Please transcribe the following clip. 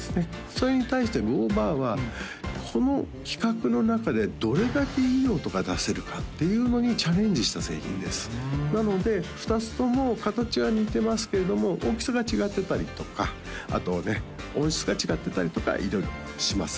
それに対してＧｏｂａｒはこの規格の中でどれだけいい音が出せるかっていうのにチャレンジした製品ですなので２つとも形は似てますけれども大きさが違ってたりとかあと音質が違ってたりとか色々します